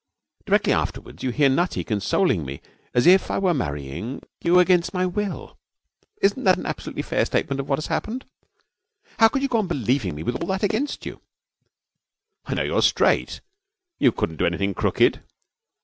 Directly afterwards you hear Nutty consoling me as if I were marrying you against my will. Isn't that an absolutely fair statement of what has happened? How could you go on believing me with all that against you?' 'I know you're straight. You couldn't do anything crooked.'